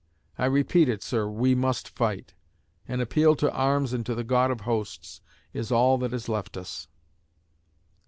I repeat it, sir, we must fight! An appeal to arms and to the God of Hosts is all that is left us!